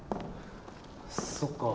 そっか